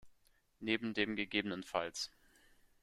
Neben dem ggf.